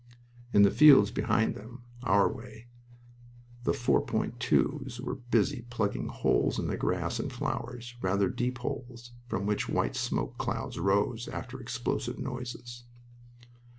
In the fields behind them our way the 4.2's (four point twos) were busy plugging holes in the grass and flowers, rather deep holes, from which white smoke clouds rose after explosive noises.